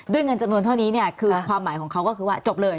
เงินจำนวนเท่านี้เนี่ยคือความหมายของเขาก็คือว่าจบเลย